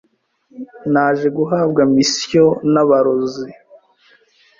Naje guhabwa mission n’abarozi